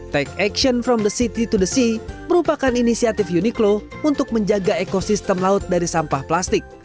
take action from the city to the sea merupakan inisiatif uniqlo untuk menjaga ekosistem laut dari sampah plastik